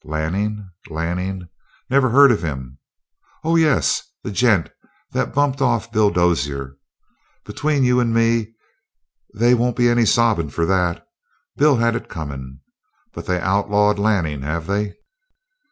"Lanning? Lanning? Never heard of him. Oh, yes, the gent that bumped off Bill Dozier. Between you and me, they won't be any sobbin' for that. Bill had it comin'. But they've outlawed Lanning, have they?"